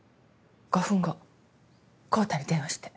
５分後昂太に電話して。